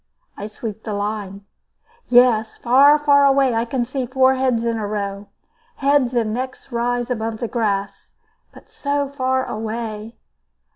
I sweep the line. Yes, far, far away I can see four heads in a row. Heads and necks rise above the grass. But so far away!